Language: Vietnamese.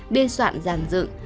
biên soạn giản dựng